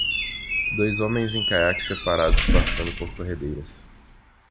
Dois homens em caiaques separados passando por corredeiras.